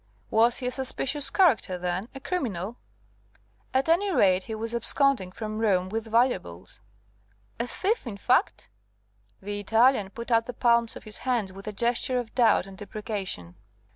"Was he a suspicious character, then? A criminal?" "At any rate he was absconding from Rome, with valuables." "A thief, in fact?" The Italian put out the palms of his hands with a gesture of doubt and deprecation.